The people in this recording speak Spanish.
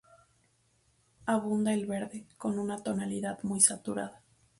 Abunda el verde, con una tonalidad muy saturada.